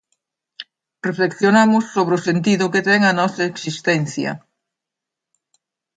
Reflexionamos sobre o sentido que ten a nosa existencia.